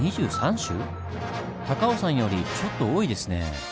高尾山よりちょっと多いですね。